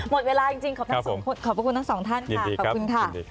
หมดเวลาจริงขอบคุณทั้งสองท่านขอบคุณค่ะ